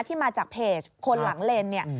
ที่มาจากเพจคนหลังเลนเนี่ย